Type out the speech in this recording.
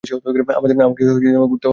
আমাকে ঘুরতেও হবে না।